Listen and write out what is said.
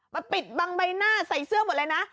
ปิดบังใบหน้าใส่เสื้อหมดเลยนะ